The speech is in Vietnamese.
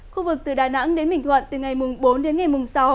khu vực từ đà nẵng đến bình thuận từ ngày bốn đến ngày mùng sáu